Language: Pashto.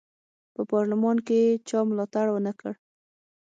په پارلمان کې یې چا ملاتړ ونه کړ.